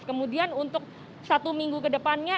kemudian untuk satu minggu ke depannya